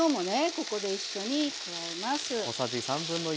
ここで一緒に加えます。